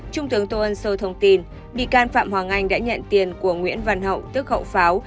trung tướng tô ân sô thông tin bị can phạm hoàng anh đã nhận tiền của nguyễn văn hậu tước hậu pháo